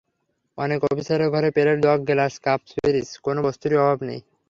অনেক অফিসারের ঘরে প্লেট, জগ, গ্লাস, কাপ-পিরিচ কোনো বস্তুরই অভাব নেই।